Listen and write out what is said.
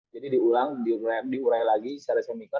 jadi diulang diurai lagi secara semikon